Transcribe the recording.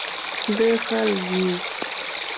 د خلګو